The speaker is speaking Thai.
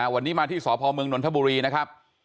วันนี้มาที่สพเมืองนนทบุรีนะครับ